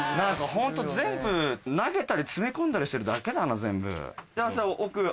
ホント全部投げたり詰め込んだりしてるだけだな。